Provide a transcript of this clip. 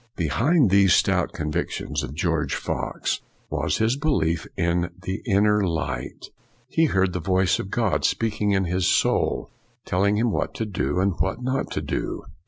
Behind these stout convictions of George Fox was his belief in the Inner Light. He heard the voice of God speaking in his FOX 283 soul, telling him what to do and what not to do.